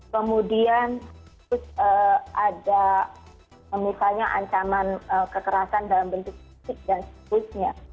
kemudian ada misalnya ancaman kekerasan dalam bentuk fisik dan sebagainya